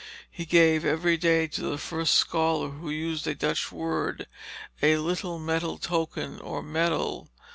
He gave every day to the first scholar who used a Dutch word a little metal token or medal.